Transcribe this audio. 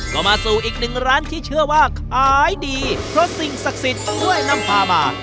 ก็มาสู่อีกหนึ่งร้านที่เชื่อว่าขายดีเพราะสิ่งศักดิ์สิทธิ์ช่วยนำพามา